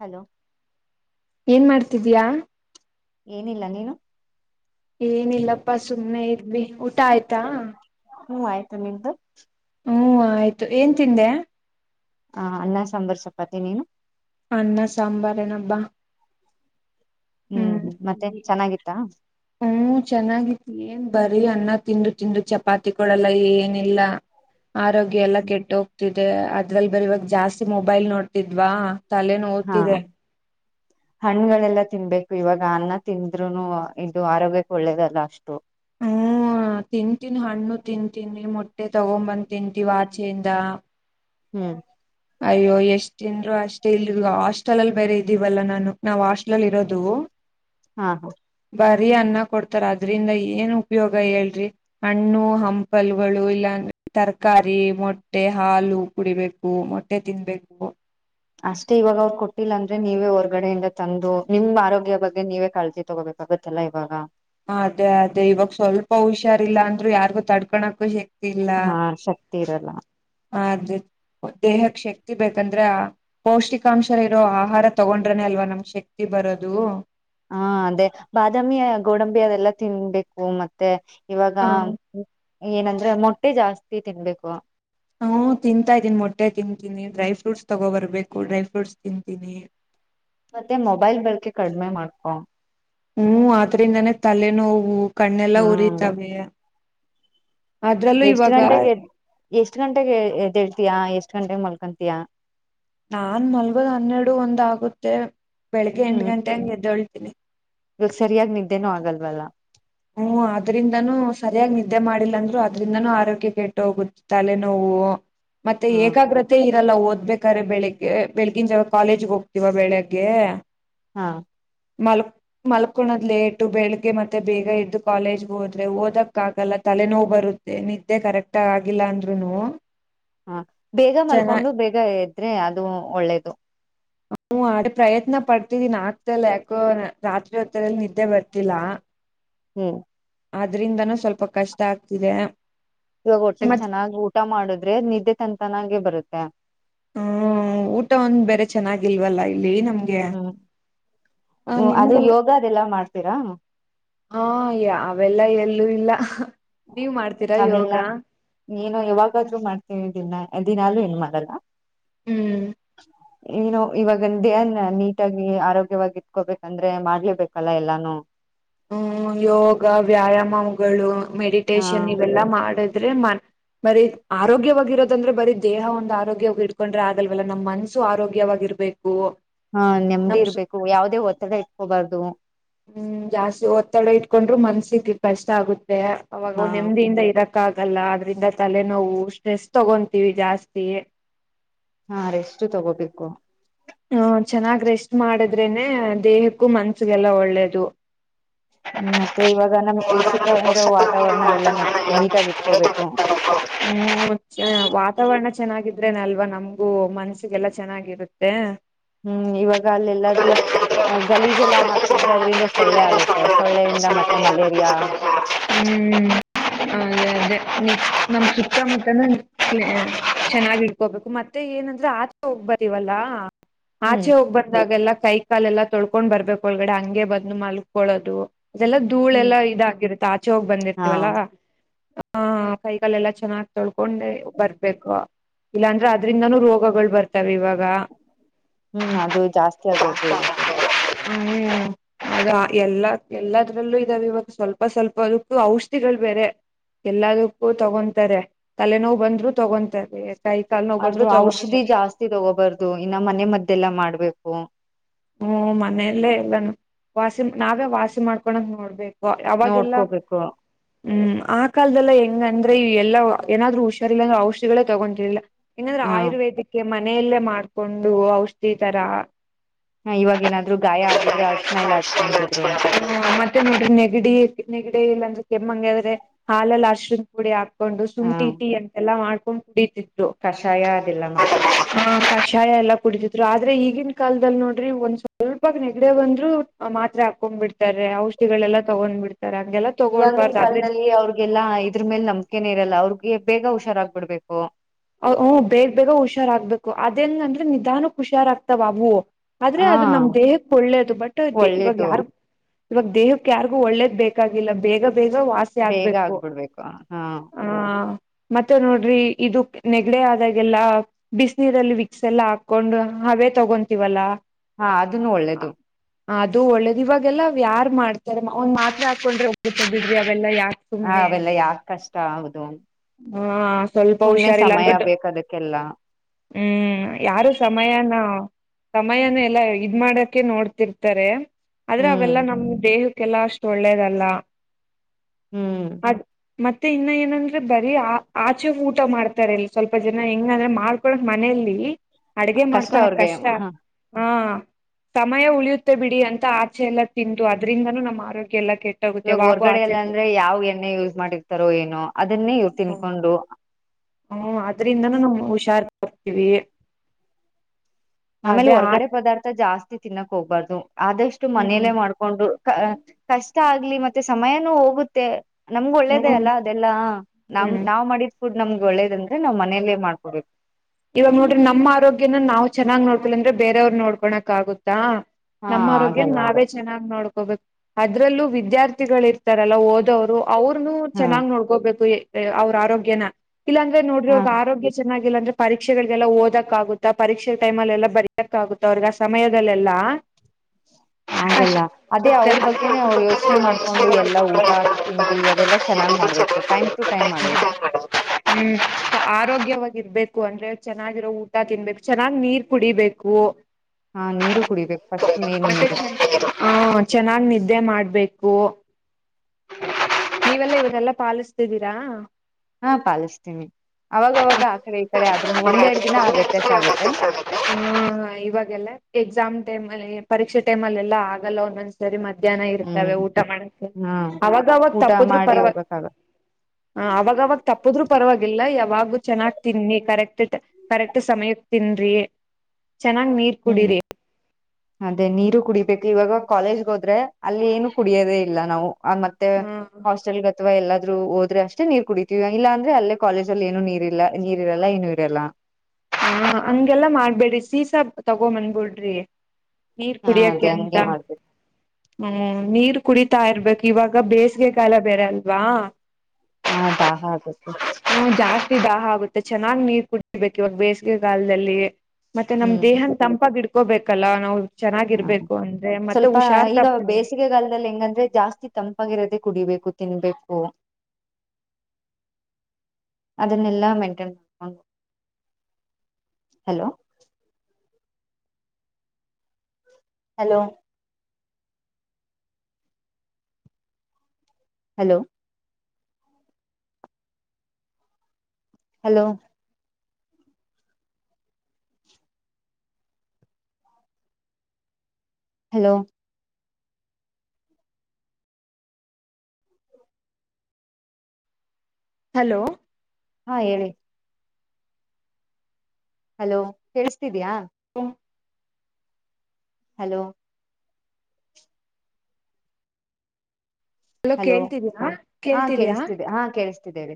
Hello ಏನ್ ಮಾಡ್ತಿದ್ದೀಯಾ. ಏನಿಲ್ಲ ನೀನು. ಏನಿಲ್ಲಪ್ಪಾ ಸುಮ್ಮ್ನೆ ಇದ್ವಿ ಊಟ ಆಯ್ತಾ. ಹ್ಮ್ ಆಯ್ತು ನಿಮ್ದು. ಹ್ಮ್ ಆಯ್ತು ಏನ್ ತಿಂದೆ. ಹ ಅನ್ನ ಸಾಂಬರ್ ಚಪಾತಿ ನೀನು. ಅನ್ನ ಸಾಂಬಾರನಬ್ಬಾ. ಹ್ಮ್ ಹ್ಮ್ ಮತ್ತೆ ಚೆನ್ನಾಗಿತ್ತಾ. ಹ್ಮ್ ಚೆನ್ನಾಗಿತಿ ಏನ್ ಬರೀ ಅನ್ನ ತಿಂದು ತಿಂದು ಚಪಾತಿ ಕೊಲ್ಲ ಏನಿಲ್ಲ. ಆರೋಗ್ಯ ಎಲ್ಲ ಕೆಟ್ಟ ಹೋಗ್ತಿದೆ ಅದ್ರಲ್ ಬರ ಇವಾಗ ಜಾಸ್ತಿ ಮೊಬೈಲ್ ನೋಡ್ತಿದ್ವಾ. ತಲೆ ನೋತಿದೆ ಹಣ್ಣ್ಗಳೆಲ್ಲ ತಿನ್ಬೇಕು ಇವಾಗ ಅನ್ನ ತಿಂದ್ೂನು ಇದು ಆರೋಗ್ಯಕ್ಕೆ ಒಳ್ಳೇದಲ್ಲ ಅಷ್ಟು ಹ್ಮ ಹಾ ತಿಂತೀನಿ ಹಣ್ಣು ತಿಂತೀನಿ ಮೊಟ್ಟೆ ತಗೊ ಬಂದ್ ತಿಂತೀವಿ ಆಚೆಯಿಂದ ಹ್ಮ್ ಅಯ್ಯೋ ಎಷ್ಟ ದಿಂದ್ರು ಅಷ್ಟೇ ಇಲ್ ಈಗ ಹಾಸ್ಟೆಲ್ ಅಲ್ಲಿ ಬೇರೆ ಇದ್ದೀವಲ್ಲ ನಾನು ನಾವ್ ಹಾಸ್ಟೆಲ್ಲ್ ಇರೋದು ಹಾ ಹಾ ಬಾರಿ ಅನ್ನ ಕೊಡ್ತಾರ ಅದ್ರಿಂದ ಏನ್ ಉಪಯೋಗ ಹೇಳ್ರಿ ಹಣ್ಣು ಹಂಪಲ್ಗಳು ಇಲ್ಲಾ ತರಕಾರಿ ಮೊಟ್ಟೆ ಹಾಲು ಕುಡಿಬೇಕು ಮೊಟ್ಟೆ ತಿನ್ಬೇಕು ಅಷ್ಟೇ ಇವಾಗ ಅವ್ರರು ಕೊಟ್ಟಿಲ್ಲ ಅಂದ್ರೆ ನೀವೇ ಹೊರ್ಗಡೆಯಿಂದ ತಂದು ನಿಮ್ ಆರೋಗ್ಯ ಬಗ್ಗೆ ನೀವೇ ಕಳಜಿ ತೊಗೋಬೇಕ ಆಗತ್ತಲ್ಲಾ ಇವಾಗ ಅದೇ ಅದೇ ಇವಾಗ ಸ್ವಲ್ಪ ಹುಷಾರಿಲ್ಲ ಅಂದ್ರು ಯಾರಿಗು ತಡ್ಕೋಕು ಇಲ್ಲ ತೀರಲ್ಲ ಹದ್ರೇ ದೇಹಕ್ ಶಕ್ತಿ ಬೇಕಂದ್ರೆ ಪೌಷ್ಟಿಕಾಂಶ ಇರೋ ಆಹಾರ ತಗೊಂಡ್ರನೇ ಅಲ್ವಾ ನಮ್ ಶಕ್ತಿ ಬರೋದು ಹಾ ಅದೇ ಬಾದಾಮಿ ಗೋಡಂಬಿ ಅದೆಲ್ಲ ತಿನ್ಬೇಕು ಮತ್ತೆ ಇವಾಗ ಹ್ಮ ಏನಂದ್ರೆ ಮೊಟ್ಟೆ ಜಾಸ್ತಿ ತಿನ್ಬೇಕು ಹ್ಮ ತಿಂತಾ ಇದ್ದೀನಿ ಮೊಟ್ಟೆ ತಿಂತೀನಿ ಡ್ರೈ ಫ್ರೂಟ್ಸ್ ತಗೋ ಬರ್ಬೇಕು ಡ್ರೈ ಫ್ರೂಟ್ಸ್ ತಿಂತೀನಿ ಮತ್ತೆ ಮೊಬೈಲ್ ಬಳಕೆ ಕಡಿಮೆ ಮಾಡ್ಕೊ ಹ್ಮ್ ಆದ್ರಿಂದಾನೇ ತಲೆನೋವು ಕಣ್ಣೆಲ್ಲ ಹಾ ಉರಿತವ ಅದ್ರಲ್ಲೂ ಎಷ್ಟ್ ಇವಾಗ ಗಂಟೆಗೆ ಎಷ್ಟ್ ಗಂಟೆಗೆ ಎದೆಳ್ತಯಾ ಎಷ್ಟ್ ಗಂಟೆಗೆ ಮಲ್ಕೊತಯಾ ನಾನ್ ಮಲ್ಗೋದ್ ಹನ್ನೆರಡು ಒಂದ್ ಆಗುತ್ತೆ ಬೆಳಿಗ್ಗೆ ಎಂಟ ಹ್ಮ್ ಗಂಟೆ ಹಂ ಎದ್ದೋಳ್ತೀನಿ ಇವಾಗ ಸರಿಯಾಗಿ ನಿದ್ದೇನ ಆಗಲ್ವಲ್ಲ ಹ್ಮ ಅದ್ರಿಂದನೂ ಸರಿಯಾಗಿ ನಿದ್ದೆ ಮಾಡಿಲ್ಲ ಅಂದ್ರು ಅದ್ರಿಂದನೂ ಆರೋಗ್ಯ ಕೆಟ್ಟು ಹೋಗುತ್ತ ತಲೆೆ ನೋವು ಮತ್ತೆ ಹಾ ಏಕಾಗ್ರತೆ ್ರಲ್ಲ ಓದ್ಬೇಕಾರೆ ಬೆಳಿಗ್ಗೆ ಬೆಳಿಗಿನ ಜಾವ ಕಾಲೇಜ್ಗೆ ಹೋಗ್ತಿೀವ ಬೆಳಿಗ್ಗೆ ಹಾ ಮಲ್ ಮಲ್ಕೋಳೋದ್ ಲೇಟು ಬೆಳಿಗ್ಗೆ ಮತ್ತೆ ಬೇಗ ಇದ್ದು ಕಾಲೇಜ್ಗೆ ಹೋದ್ರೆ ಓದಕ್ಕ ಆಗಲ್ಲ ತಲೆ ನೋವು ಬರುತ್ತೆ ನಿದ್ದೆ ಕರೆಕ್ಟ್ ಆ ಆಗಿಲ್ಲ ಅಂದ್ರು ಹ್ಮ ಹಾ ಬೇಗ ಮಲ್ಕೊಂಡು ಬೇಗ ಇದ್ರೆ ಅದು ಒಳ್ಳೇದು ಹ ಮಾಡ ಪ್ರಯತ್ನ ಪಡ್ತಿದ್ದೀನ್ ಆಕ್ತಲ್ಲ ಯಾಕೋ ರಾತ್ರಿ ಹೊತ್ತರಲ್ಲಿ ನಿದ್ದೆ ಬರ್ತಿಲ್ಲ ಹ್ಮ್ ಅದ್ರಿಂದನೂ ಸ್ವಲ್ಪ ಕಷ್ಟ ಆಗ್ತಿದೆ ಇವಾಗ ಒಟ್ಟೆೆಗೆ ಮತ್ ಚೆನ್ನಾಗಿ್ ಊಟ ಮಾಡುದ್ರೆ ನಿದ್ದೆ ತನ್ ತನಾಗೆ ಬರುತ್ತೆ ಹ್ಮ ಊಟ ಒಂದ್ ಬೇರೆ ಚೆನ್ನಾಗಿಲ್ವಲ್ಲ ಇಲ್ಲಿ ನಮ ಹ್ಮ್ ಅದು ನಿಮ್ಗೆಲ್ಲ ಯೋಗ ಅದೆಲ್ಲಾ ಮಾಡ್ತೀರಾ ಹಾ ಅವೆಲ್ಲ ಎಲ್ಲೂ ಇಲ್ಲ ನೀವ್ ಮಾಡ್ತೀರಾ ಯೋಗ ಅದೆಲ್ಲ ಏನುೋ ಯಾವಾಗಾದ್ರೂ ಮಾಡ್ತವಿ ದಿಲ್ಲ ದಿನಾಲ್ ಏನು ಮಾಡಲ್ಲ ಹ್ಮ್ ಏನು ಇವಾಗ ೇನ್ ನೀಟಾಗಿ ಆರೋಗ್ಯವಾಗಿ ಇತ್ಕೋಬೇಕಂದ್ರೆ ಮಾಡ್ಲೇಬೇಕಲ್ಲ ಎಲ್ಲಾನು ಹ್ಮ್ ಯೋಗ ವ್ಯಾಯಾಮಗಳು ಹ ಮೆಡಿಟೇಶನ್ ಇವೆಲ್ಲಾ ಮಾಡದು್ ಇದ್ರೆ ಮ ಬರೀ ಆರೋಗ್ಯವಾಗಿರೋದಂದ್ರೆ ಬರೀ ದೇಹ ಒಂದು ಆರೋಗ್ಯವಾಗಿ ಇಡ್ಕೊಂಡ್ರೆ ಆಗಲ್ವಲ್ಲ ನಮ್ ಮನ್ಸ್ಸು ಆರೋಗ್ಯವಾಗಿರ್ಬೇಕು ಹಾ ನೆಮ್ದಿ ನಮ್ ಇರ್ಬೇಕು ಯಾವದೇ ಒತ್ತಡ ಇಟ್ಕೋಬಾರ್ದು ಹ್ಮ್ ಜಾಸ್ತಿ ಒತ್ತಡ ಇಟ್ಕೊಂಡ್ರು ಮನಸ್ಸಿಗೆ ಕಷ್ಟ ಆಗುತ್ತೆ ಅವಾಗ್ ಹಾ ನೆಮ್ಮದಿಯಿಂದ ಇರ ಆಗಲ್ಲ ಆದ್ರಿಂದ ತಲೆನೋವು ಸ್ಟ್ರೆಸ್ ತಗೊಂತೀವಿ ಜಾಸ್ತಿ ಹಾ ರೆಷ್ಟು ತಗೋಬೇಕು ಹಹ ಚೆನ್ನಾಗ್ ರೆಸ್ಟ್ ಮಾಡಿದ್ರೇನೆ ದೇಹಕ್ಕೂ ಮನ್ಸಗೆಲ್ಲ ಒಳ್ಳೇದು ಹ ಹ್ಮ್ ಮತ್ತೆ ಇವಾಗ ನಮ್ ಸುತ್ತ ಇರೋ ವಾತಾವರಣ ಎಲ್ಲ ನೆಟ್ ನೀಟಾಗಿ ಇಟ್ಕೋಬೇಕು ಹ್ಮ್ ವಾತಾವರಣರಣ ಚೆನ್ನಾಗಿದ್ರೇನ ಅಲ್ವಾ ನಮ್ಗೂ ಮನ್ಸಿಗೆಲ್ಲಾ ಚೆನ್ನಾಗಿರುತ್ತೆ ಹ್ಮ್ ಇವಾಗ ಅಲ್ಲೆಲ್ಲಾದ್ೂ ಗಲೀಜೆಲ್ಲ ಹಾಕಿದ್ರೆ ಅದ್ರಿಂದ ಸೊಳ್ಳೆ ಆಗುತ್ತೆ ಸೊಳ್ಳೆಯಿಂದ ಮತ್ತೆ ಮಲೇರಿಯಾ ಹ್ಮ್ ಅೌದೇ ನಮ್ ಸುತ್ತಮುತ್ತನ ಚೆನ್ನಾಗಿ ಇಡ್ಕೋಬೇಕು ಮತ್ತೆ ಏನಂದ್ರೆ ಆತ ಹೋಗ ಬವಲ್ಲ ಹ್ಮ್ ಆಚೆ ಹೋಗ್ ಬಂದಾಗೆಲ್ಲ ಕೈ ಕಾಲ ಎಲ್ಲಾ ತೊಳ್ಕೊಂಡ್ ಬರ್ಬೇಕು ಒಳಗಡೆ ಹಂಗೆ ಬದ್ನು ಮಲ್ಕೊಳೋದು ಅದೆಲ್ಲಾ ಹ್ಮ್ ಧೂಳೆಲ್ಲಾ ಇದಾಗಿರುತ್ತೆ ಆಚೆ ಹೋಗಿ ಹಾ ಬಂದಿರ್ತಿವಲ್ಲಾ ಹಾ ಕೈಗಲ್ಲೆಲ್ಲ ಚೆನ್ನಾಗಿ್ ತೊಳ್ಕೊಂಡೆ ಬರ್ಬೇಕು ಇಲ್ಲಾಂದ್ರೆ ಅದ್ರಿಂದಾನೂ ರೋಗಗಳು ಬರ್ತಾವ ಇವಾಗ ಹ್ಮ್ ಅದು ಜಾಸ್ತಿ ಆಗೋತೆ ಇವೊತ್ತಿಲ್ಲ ಹ್ಮ್ ಅದ ಎಲ್ಲ ಎಲ್ಲದ್ರಲ್ಲೂ ಇದಾವ ಇವಾಗ ಸ್ವಲ್ಪ ಸ್ವಲ್ಪ ಅದಕ್ಕೂ ಔಷಧಿಗಳು ಬೇರೆ ಎಲ್ಲದಕ್ಕೂ ತಗೊಂತಾರೆ ತಲೆನೋವು ಬಂದ್ರು ತಗೊಂತಾರೆ ಕೈ ಕಾಲ್ ನೋವು ಬಂದ್ರು ಆದ್ರೂ ಔಷಧಿ ತಗೊಂತಾರೆ ಜಾಸ್ತಿ ತಗೋಬಾರ್ದು ಇನ್ನ ಮನೆ ಮದ್ದೆಲ್ಲ ಮಾಡ್ಬೇಕು ಹ್ಮ್ ಮನೆಯಲ್ಲೇ ಎಲ್ಲಾನ ವಾಸಿ ನಾವೇ ವಾಸಿ ಮಾಡ್ಕೊಕ್ ನೋಡ್ಬೇಕು ಅವಾಗೆಲ್ಲ ನೋಡ್ಕೋಬೇಕು ಹ್ಮ್ ಆ ಕಾಲದೆಲ್ಲ ಹೆಂಗಂಗ ್ರೆ ಎಲ್ಲ ಏನಾದ್ರು ಹುಷಾರಿಲ್ಲ ಅ್ರ ಔಷಧಿಗಳೇ ತಗೊಂಡಿರ್ಲಿಲ್ಲ ಏಕಂದ್ರೆ ಹಾ ಆಯುರ್ವೇದಿಕಕ್ಕೆ ಮನೆಯಲ್ಲೇ ಮಾಡ್ಕೊಂಡು ಔಷಧಿ ತರ ಇವಾಗ ಏನಾದ್ರು ಗಾಯ ಆಗಿದ್ರೆ ಅರ್ಶಣ ಎಲ್ಲ ಹಚ್ಕೊಂತಿದ್ರು ಮತ್ತೆ ನೋಡ್ರಿ ನೆಗಡಿ ನಗಡ ಇಲ್ಲ ಅ್ರ ಕೆಮ್ಮಂಗಾದ್ರೆ ಹಾಲಲ್ಲಿ ಅಶ್ರಣ ಪುಡಿ ಹಾಕೊಂಡು ಹಾ ಶುಂಠಿ ಟೀ ಅಂತೆಲ್ಲಾ ಮಾಡ್ಕೊಂಡು ಕುಡಿತ ಕಷಾಯ ಅದೆಲ್ಲಾ ಮಾಡ್ಕೊಡ್ತವಿ ವಿಷಾಯ ಎಲ್ಲ ಕುಡಿದ್ರು ಆದ್ರೆ ಈಗಿನ ಕಾಲದಲ್ಲಿ ನೋಡ್ರಿ ಒಂದ್ ಸ್ವಲ್ಪ ನೆಗಡೆ ಬಂದ್ರು ಮಾತ್ರೆ ಹಾಕೊಂಡ್ ಬಿಡ್ತಾರೆ ಔಷಿಗಳೆಲ್ಲ ತಗೊಂಡ್ ಬಿಡ್ತಾರೆ ಹಂಗೆಲ್ಲಾ ಇವಾಗಿನ ತಗೊಳ್ಬಾರ್ದು ಆದ್ರೆ ಕಾಲದಲ್ಲಿ ಅವ್ರಗೆಲ್ಲಾ ಇದ್ರ ಮೇಲೆ ನಂಬಿಕೆನ ಇರಲ್ಲ ಅವ್ರಗ ಬೇಗ ಹುಷಾರಾಗಬಿಡ್ಬೇಕು ಹ್ ಬೇಗ್ ಬೇಗ ಹುಷಾರಾಗಗ್ಬೇಕು ಅದೇಂಗಂದ್ರೆ ನಿಧಾನಕ್ ಹುಷಾರ್ ಆಗ್ತಾವ ಹೂವು ಆದ್ರೆ ಹಾ ಅದು ನಮ ದೇಹಕ್ಕೆ ಒಳ್ಳೇದು ಬಟ್ಟ ಇದ್ದೆ ಇವಾಗ ಒಳ್ಳೇದು ಯಾರು ಇವಾಗ ದೇಹಕ್ಕೆ ಯಾರಿಗು ಒಳ್ಳೇದ ಬೇಕಾಗಿಲ್ಲ ಬೇಗ ಬೇಗ ವಾಸಿ ಬೇಗ ಆಗ್ಬೇಕು ಆಗ್ಬಿಡ್ಬೇಕು ಹಾ ಆ ಮತ್ತೆ ನೋಡ್ರಿ ಇದು ನೆಗಡೆ ಆದಾಗೆಲ್ಲ ಬಿಸಿನೀರಲ್ಲಿ ವಿಕ್ಸ್ ಎಲ್ಲಾ ಹಾಕೊಂಡು ಹವೆ ತಗೊಂತೀವಲ್ಲ ಹಾ ಅದನ್ನು ಒಳ್ಳೇದು ಅದು ಒಳ್ಳೇದು ಇವಾಗೆಲ್ಲ ಯಾರ್ು ಮಾಡ್ತಾರೆ ಒ್ ಮಾತ್ರೆ ಹಾಕೊಂಡ್ರೆಬ ಬಿಡ್ರಿ ಅವೆಲ್ಲ ಯ ಹ ಅವೆಲ್ಲ ಯಾಕ ಕಷ್ಟ ಹೌದು ಹ ಸ್ವಲ್ಪ ಸುಮ್ನೆ ಹುಷಾರಿಲ್ಲ ಸಮಯ ಅಂತಟ್ಟು ಬೇಕದಕ್ಕೆಲ್ಲ ಹ್ಮ್ ಯಾರು ಸಮಯನ ಸಮಯಾನ ಎಲ್ಲ ಇದ್ ಮಾಡಕೆ ನೋಡ್ತಿರ್ತಾರೆ ಆದ್ರೆ ಹ್ಮ್ ಅವೆಲ್ಲಾ ನಮ್ಮ್ ದೇಹಕ್ಕೆ ಕೆಲ್ಲ ಅಷ್ಟು ಒಳ್ಳೇದಲ್ಲ ಹ್ಮ್ ಅದ್ ಮತ್ತೆ ಇನ್ನ ಏನಂದ್ರ ಬರೀ ಆ ಆಚೆ ಊಟ ಮಾಡ್ತಾರೆ ಇಲ್ಲಿ ಸ್ವಲ್ಪ ಜನ ಹೆಂಗ ಅಂದ್ರೆ ಮಾಡ್ಕೊಳಕ್ ಮನಲಿ ಅಡ್ಗೆ ಮಾಡ್ಕೊಳಕ್ ಅವ್ರಿಗೆ ಕಷ್ಟ ಹ ಹಾ ಸಮಯ ಉಳಿಯುತ್ತೆ ಬಿಡಿ ಅಂತ ಆಚೆ ಎಲ್ಲ ತಿಂದು ಅದ್ರಿಂದನೂ ನಮ್ಮ್ ಆರೋಗ್ಯ ಎಲ್ಲಾ ಕೆಟ್ಟ ಇವಾಗ ಹೊರ್ಗಡೆ ಎಲ್ಲ ಅಂದ್ರೆ ಯಾವ್ ಎಣ್ಣೆ ಯೂಸ್ ಮಾಡಿರ್ತಾರೋ ಏನೋ ಅದನ್ನೇ ಇ ತಿನ್ಕೊಂಡು ಹ್ಮ ಅದ್ರಿಂದನೂ ನಮ್ ಹುಷಾರ್ ಬರ್ತೀವಿ ಆಮೇಲೆ ಹೊರ್ಗಡೆ ಪದಾರ್ಥ ಜಾಸ್ತಿ ತಿನ್ನಕ್ ಹೋಗ್ಬಾರ್ದು ಆದಷ್ಟು ಹ್ಮ್ ಮನೇಲೆೇ ಮಾಡ್ಕೊಂಡು ಕಷ್ಟ ಆಗ್ಲಿ ಮತ್ತೆ ಸಮಯನೂ ಹೋಗುತ್ತೆ ನಮ್ಗ ಒಳ್ಳೇದೇ ಹ್ಮ್ ಅಲ್ಲಾ ಅದೆಲ್ಲಾ ನಮ ಹ್ಮ್. ನಾವ್ ಮಾಡಿದ ಫುಡ್ ನಮ್ಗೆ ಒಳ್ಳೇದಂದ್ರೆ ನಾ್ ಮನೆಯಲ್ಲೇ ಮಾಡ್ಕೊಬೇಕು ಇವಾಗ ನೋಡ್ರಿ ನಮ್ಮ ಆರೋಗ್ಯನ ನಾವ್ ಚೆನ್ನಾಗ್ ನೋಡ್ತಿಿಲ್ಲ ಅಂದ್ರೆ ಬೇರವ್ರ ನೋಡ್ಕೋಳಕ್ ಆಗುತ್ತಾ ಹಾ ನಮ್ಮ ಆರೋಗ್ಯನ್ ಆಗಲ್ಲ ಅದು ನಾವೇ ಚೆನ್ನಾಗ್ ನೋಡ್ಕೋಬೇಕು ಅ ಅದ್ರಲ್ಲೂ ವಿದ್ಯಾರ್ಥಿಗಳ ಇರ್ತಾರಲ್ಲ ಓದವ್ರು ಅವ್ರನು ಹಾ ಚೆನ್ನಾಗ್ ನೋಡ್ಕೋಬೇಕು ಅವ್ರ ಆರೋಗ್ಯನ ಇಲ್ಲಾಂದ್ರೆ ನೋಡ್ರಿ ಹ ಅವ್ರಿಗೆ ಆರೋಗ್ಯ ಚೆನ್ನಾಗಿಲ್ಲ ಅಂದ್ರೆ. ಪರೀಕ್ಷೆಗಳಿಗೆಲ್ಲ ಓದಕ್ ಆಗುತ್ತ ಪರೀಕ್ಷೆ ಟೈಮ್ಲ್ಲ ಎಲ್ಲ ಬರಕ್ ಆಗುತ್ತ ಅವ್ರಿಗೆ ಆ ಸಮಯದಲ್ಲೆಲ್ಲ ಹ ಆಗಲ್ಲ ಅದೇ ಅವ್ರ ಬಗ್ಗೆನೆೇ ಅವರು ಯೋಚನೆ ಮಾಡ್ಕೊಂಡು ಎಲ್ಲಾ ಊಟ ತಿಂಡಿ ಅದೆಲ್ಲಾ ಚೆನ್ನಾಗ್ ಮಾಡ್ಬೇಕು ಟೈಮ್ ಟು ಟೈಮ್ ಮಾಡ್ಬೇಕು ಹ್ಮ್ ಆರೋಗ್ಯ ಬಗ್ಗೆ ಇರ್ಬೇಕು ಅಂದ್ರೆ ಚೆನ್ನಾಗಿರೋ ಊಟ ತಿನ್ಬೇಕು ಚೆನ್ನಾಗ್ ನೀರ್ ಕುಡಿಬೇಕು ಹಾ ನೀರು ಕುಡಿಬೇಕು ಫಸ್ಟ್ ಮೇನ್ ಮತ್ತೆ ನೀರು ಹ ಚೆನ್ನಾಗ್ ನಿದ್ದೆ ಮಾಡ್ಬೇಕು ಓ ನೀವೆಲ್ಲ ಇವನ್ನಲ್ಲಾ ಪಾಲಿಸ್ತಿದ್ದೀರಾ ಹಾ ಪಾಲಿಸ್ತೀನಿ ಅವಾಗವಾಗ ಕಡೆ ಈ ಕಡೆ ಆದ್ರೂನು ಒಂದೆರಡು ದಿನ ವ್ಯತ್ಯಾಸ ಆಗುತ್ತೆ ಹ್ಮ ಇವಾಗೆಲ್ಲ ಎಕ್ಸಾಮ್ ಟೈಮ ಅಲ್ಲಿ ಪರೀಕ್ಷೆ ಟೈಮ ಅ ಎಲ್ಲ ಆಗಲ್ಲ ಒಂದೊಂದ್ ಸರಿ ಮತ್ತೆ ಮಧ್ಯಾಹ್ನ ಇರ್ತವೆ ಹ್ಮ್ ಊಟ ಮಾಡಕ್ಕೆ ಹ್ಮ್ ಅವಾಗವಾಗ ಊಟ ತಪ್ಪದ್ರು ಮಾಡಿ ಪರವಾಗಿ ಹೋಗ್ಬೇಕಾಗತ್ ಹ ಅವಾಗವಾಗ ತಪ್ಪದ್ರು ಪರವಾಗಿಲ್ಲ ಯಾವಾಗ ಚೆನ್ನಾಗ್ತನ್ಿ ಕರೆಕ್ ಕರೆಕ್ಟ್ ಸಮಯಕ್ಕೆ ತಿನ್್ರ ಚೆನ್ನಾಗಿ್ ನೀರ್ ಹ್ಮ್ ಕುಡರಿಿ ಅದೇ ನೀರು ಕುಡಿಬೇಕು ಇವಾಗ ಕಾಲೇಜ್ಗೆ ಹೋದ್ರೆ ಅಲ್ಲಿ ಏನು ಕುಡಿಯದೇ ಇಲ್ಲ ನಾವು ಮತ್ತೆ ಹ ಹಾಸ್ಟೆಲ್ಗೆ ಅಥವಾ ಎಲ್ಲಾದ್ೂ ದ ಆದ್ರೆ ಅಷ್ಟೇ ನೀರ್ ಕುಡಿತೀವಿ ಇಲ್ಲ ಅಂದ್ರೆ ಅಲ್ಲೇ ಕಾಲೇಜ ಅಲ್ಲಿ ಏನು ನೀರ್ಲ್ಲ ನೀರ್ ಇರಲ್ಲ ಏನು ಇರಲ್ಲ ತಗೋ ಬಂದಬಿಡ್ರಿ ನೀರ್ ಹಾ ಕುಡಿಯಕ ಅದೇ ಅಂತ ಹಂಗೆ ಮಾಡ್ಬೇಕು ಹ್ಮ್ ನೀರ್ ಕುಡಿತಾ ಇರ್ಬೇಕು ಇವಾಗ ಬೇಸಿಗೆ ಕಾಲ ಬೇರೆ ಅಲ್ವಾ ಹಾ ದಾಹ ಆಗುತ್ತೆ ಹ್ಮ ಜಾಸ್ತಿ ದಾಹ ಆಗುತ್ತೆ ಚೆನ್ನಾಗ್ ನೀರ್ ಕುಡರ್ಬೇಕು ಇವಾಗ ಬೇಸಿಗೆ ಕಾಲದಲ್ಲಿ ಮತ್ತೆ ನಮ್ ಹ್ಮ್ ದೇಹನ ತಂಪಾಗಿ ಇಡ್ಕೋಬೇಕಲ್ಲ ನಾವು ಹಾ ಚೆನ್ನಾಗಿರ್ಬೇಕು ಅಂದ್ರೆ ಮತ್ತೆ ಸ್ವಲ್ಪ ಹುಷಾರ್ ಈಗ ತಪ್ತದೆ ಬೇಸಿಗೆಗಾಲದಲ್ಲಿ ಹೆಂಗಂದ್ರೆ ಜಾಸ್ತಿ ತಂಪಾಗಿರತ್ತೆ ಕುಡಿಬೇಕು ತಿನ್ಬೇಕು ಅದನ್ನೆಲ್ಲಾ ಮೈನ್ಟನ್ ಮಾಡ hello hello hello hello hello hello ಹಾ ಹೇಳಿ ಹಲೋ ಕೇಳಸ್ತಿದ್ಯಾಾ ಹಲೋ ಹಲೋ ಕೇಳ್ತಿದ್ಯಾ ಹಾ ಕೇಳ್ತಿದ್ಯಾ ಕೇಳಿಸ್ತಿದೆ ಹಾ ಕೇಳಿಸ್ತಿದ್ದೇವೆ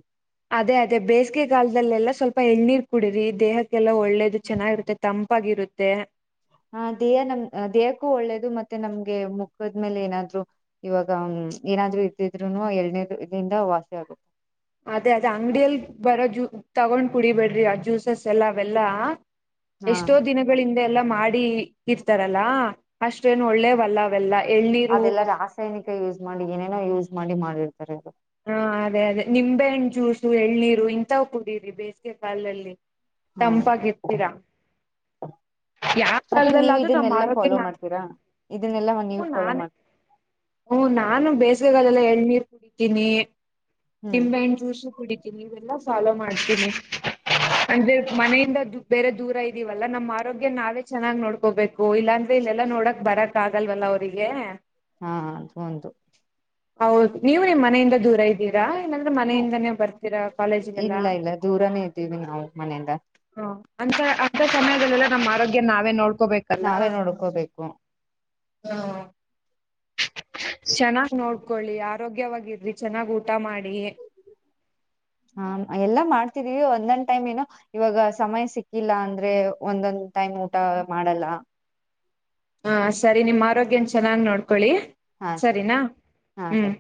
ಅದೇ ಅದೇ ಬೇಸಿಗೆ ಕಾಲದಲ್ಲೆಲ್ಲಾ ಸ್ವಲ್ಪ ಎಣನೀರ್ ಕುಡರಿ ದೇಹಕ್ಕೆಲ್ಲಾ ಒಳ್ಳೇದು ಚೆನ್ನಾಗಿರುತ್ತೆ ತಂಪಾಗಿ ಇರುತ್ತೆ ಹಾ ದೇಹ ನಮ್ ದೇಹಕ್ಕೂ ಒಳ್ಳೇದು ಮತ್ತೆ ನಮ್ಗೆ ಮುಖದ್ಮೇಲೆ ಏನಾದ್ರು ಇವಾಗ ಹ್ಮ್ ಏನಾದ್ರು ಇದ್ದಿದ್ರು ಎರನೇದು ಇದಿಂದ ವಾಸಿ ಆಗುತ್ತೆ ಅದೇ ಅದೇ ಅಂಗಡಿಯಲ್ಲಿ ಬರೋ ಜೂ ತಗೊಂಡ್ ಕುಡಿಬೇಡ್ರಿ ಆ ಜ್ಯೂಸಸ್ ಎಲ್ಲ ಅವೆಲ್ಲಾ ಹಾ ಎಷ್ಟೋ ದಿನಗಳಿಂದ ಎಲ್ಲ ಮಾಡಿ ಇರ್ತಾರಲ್ಲಾ ಅಷ್ಟೇನು ಒಳ್ಳೇವಲ್ಲ ಅವೆಲ್ಲ ಎಳ್ನೀರು ಅದೆಲ್ಲ ರಾಸಾಯನಿಕ ಯೂಸ್ ಮಾಡಿ ಏನೇನೋ ಯೂಸ್ ಮಾಡಿ ಮಾಡಿರ್ತಾರೆದು ಹಾ ಅದೇ ಅದೇ ನಿಂಬೆಹಣ್ಣ್ ಜ್ಯೂಸು ಎಳ್ನೀರು ಇಂತ ಕುೂಡೀರಿ ಬೇಸಿಗೆ ಕಾಲಲ್ಲಿ ಹಾ ತಂಪಾಗಿತ್ತೀರಾ ಯಾವ ಮತ್ತೆ ಕಾಲದದಲ್ಲಿ ನೀವ್ ಆದ್ರೂ ನಮ್ಮ ಇದನ್ನೆಲ್ಲಾ ಫಾಲೋ ಆರೋಗ್ಯನ ಮಾಡ್ತೀರಾ ಇದನ್ನೆಲ್ಲಾ ಹ ನೀವು ಫಾಲೋ ನಾನೇ ಮಾಡ್ ಹ್ಮ ನಾನು ಬೇಸಗೆಗಲ್ಲಲ್ಲಾ ಎಳ್್ಮೀರ್ ಕುಡಿತೀನಿ ಹ್ಮ್ ನಿಂಬೆಣ್ ಜ್ಯೂಸು ಕುಡಿತೀನಿ ಇವೆಲ್ಲಾ ಫಾಲೋ ಮಾಡ್ತೀನಿ ಅಂದ್ರೆ ಮನೆಯಿಂದ ಬೇರೆ ದೂರ ಇದೀವಲ್ಲಾ ನಮ್ಮ್ ಆರೋಗ್ಯ ನಾವೇ ಚೆನ್ನಾಗ್ ನೋಡ್ಕೋಬೇಕು ಇಲ್ಲಾಂದ್ರೆ ಇಲ್ಲೆಲ್ಲಾ ನೋಡಕ್ ಬರಕ್ ಆಗಲ್ವಲ್ಲ ಅವ್ರರಿಗೆ ಹಾ ಒಟು ಹೌದು ನೀವು ನಿಮ್ ಮನೆಯಿಂದ ದೂರ ಇದ್ದೀರಾ ಏನಂದ್ರೆ ಹ್ಮ ಮನೆಯಿಂದನೇ ಬರ್ತೀರಾ ಕಾಲೇಜ್ಿಗೆಲ್ಲ ಇಲ್ಲ ಇಲ್ಲ ದೂರನೇ ಇದ್ದೀವಿ ನಾವು ಮನೆಯಿಂದ ಹಾ ಅಂತ ಅಂ ಸಮಯದಲ್ಲ ನಮ್ಮ ಆರೋಗ್ಯ ನಾವೇ ನೋಡ್ ನಾವೇ ನೋಡ್ಕೋಬೇಕು ಹಾ ಚೆನ್ನಾಗ್ ನೋಡ್ಕೊಳ್ಳಿ ಆರೋಗ್ಯವಾಗಿರ್ರಿ ಚೆನ್ನಾಗ್ ಊಟ ಮಾಡಿ ಹ ಎಲ್ಲಾ ಮಾಡ್ತಿದೀವಿ ಒಂದೊಂದ್ ಟೈಮ್ ಏನೋ ಇವಾಗ ಸಮಯ ಸಿಕ್ಕಿಲ್ಲ ಅಂದ್ರೆ ಒಂದೊಂದ್ ಟೈಮ್ ಊಟ ಮಾಡಲ್ಲ ಹ ಸರಿ ನಿಮ್ಮ ಆರೋಗ್ಯನ ಚೆನ್ನಾಗ್ ನೋಡ್ಕೊಳ್ಳಿ ಹಾ ಸರಿ ಸರಿನಾ ಹಾ ಸರಿ. ಹ್ಮ್